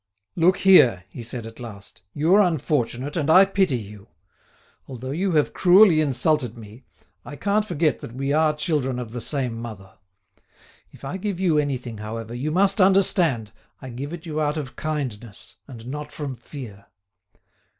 "Look here," he said at last, "you're unfortunate, and I pity you. Although you have cruelly insulted me, I can't forget that we are children of the same mother. If I give you anything, however, you must understand I give it you out of kindness, and not from fear.